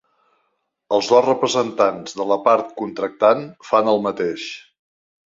Els dos representants de la part contractant fan el mateix.